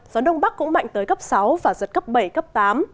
gió đông bắc cũng mạnh tới cấp sáu và giật cấp bảy cấp tám